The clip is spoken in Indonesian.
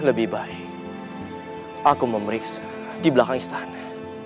lebih baik aku memeriksa di belakang istana